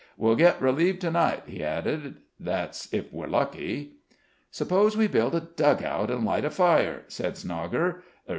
"We'll get relieved to night," he added; "that's if we're lucky." "Suppose we build a dug out and light a fire," said Snogger.